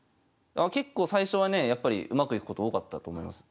結構最初はねやっぱりうまくいくこと多かったと思います。